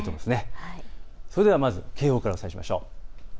それではまず警報から見ていきましょう。